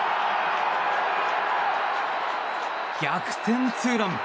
逆転ツーラン。